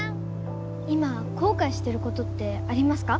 今こうかいしてることってありますか？